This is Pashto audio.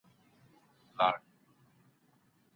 هر اړخ بايد د مقابل لوري مزاج پټ ونه ساتي.